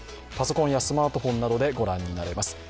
パソコンやスマートフォンなどで御覧になれます。